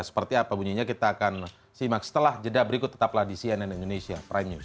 seperti apa bunyinya kita akan simak setelah jeda berikut tetaplah di cnn indonesia prime news